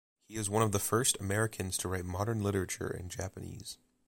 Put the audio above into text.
He is one of the first Americans to write modern literature in Japanese.